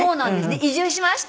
で「移住しました！」